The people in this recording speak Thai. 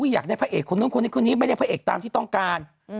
อยากได้พระเอกคนนู้นคนนี้คนนี้ไม่ได้พระเอกตามที่ต้องการ